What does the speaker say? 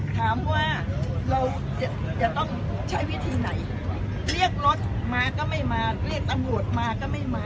ถามว่าเราจะต้องใช้วิธีไหนเรียกรถมาก็ไม่มาเรียกตำรวจมาก็ไม่มา